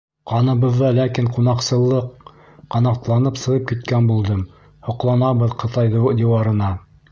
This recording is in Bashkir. Ҡаныбыҙҙа ләкин ҡунаҡсыллыҡ — Ҡанатланып сығып киткән булдым, Һоҡланабыҙ Ҡытай диуарына...